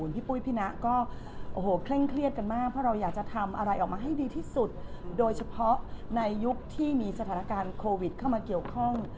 พี่ปุ้ยพี่นะก็โอ้โหเคร่งเครียดกันมากเพราะเราอยากจะทำอะไรออกมาให้ดีที่สุดโดยเฉพาะในยุคที่มีสถานการณ์โควิดเข้ามาเกี่ยวข้อง